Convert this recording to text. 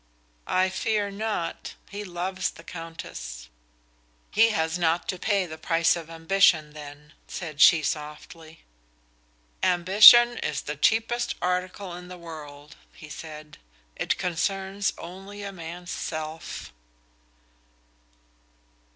"I fear not. He loves a Countess." "He has not to pay the price of ambition, then?" said she, softly. "Ambition is the cheapest article in the world," he said. "It concerns only a man's self."